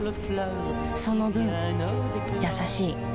その分優しい